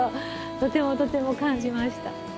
とてもとても感じました。